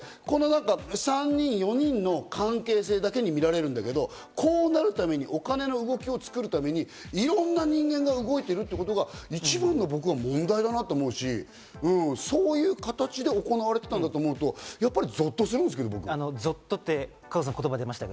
３人、４人の関係性だけに見られるんだけど、こうなるためにお金の動きを作るためにいろんな人間が動いているということが一番問題だと僕は思うし、そういう形で行われていたんだと思うと、ぞっとするんですけど。